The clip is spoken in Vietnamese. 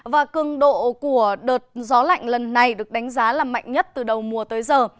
và cường độ của đợt gió lạnh lần này được đánh giá là mạnh nhất từ đầu mùa tới giờ